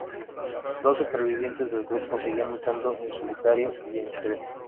Dos supervivientes del grupo seguían luchando en solitario y en secreto.